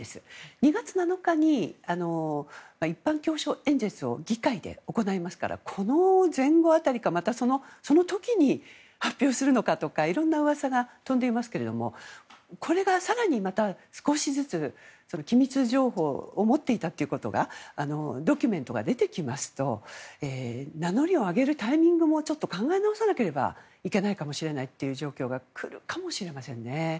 ２月７日に一般教書演説を議会で行いますからこの前後辺りか、その時に発表するのかとかいろんな噂が飛んでいますけどもこれが更にまた少しずつ機密情報を持っていたということがドキュメントが出てきますと名乗りを上げるタイミングも考え直さなければいけないという状況が来るかもしれませんね。